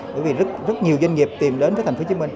bởi vì rất nhiều doanh nghiệp tìm đến với tp hcm